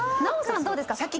ナヲさんどうですか？